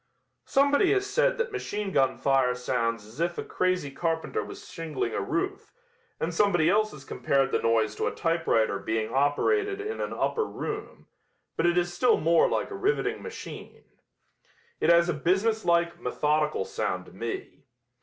Somebody has said that machine gun fire sounds as if a crazy carpenter was shingling a roof, and somebody else has compared the noise to a typewriter being operated in an upper room, but it is still more like a riveting machine. It has a business like, methodical sound to me.